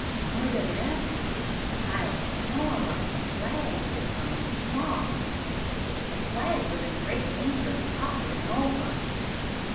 More than this, the pile of snow around the flag was growing small, so that the flag was in great danger of toppling over.